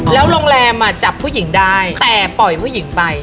แล้วโรงแรมจับผู้หญิงได้แต่ปล่อยผู้หญิงไป